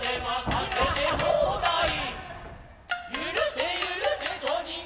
はい。